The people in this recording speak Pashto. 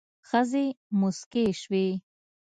ښځې موسکې شوې.